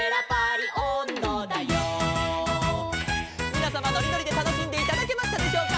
「みなさまのりのりでたのしんでいただけましたでしょうか」